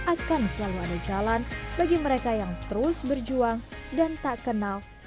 akan selalu ada jalan bagi mereka yang terus berjuang dan tak kenal